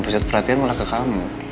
pesawat perhatian mulai ke kamu